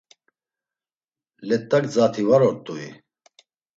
Let̆a gzati var ort̆ui?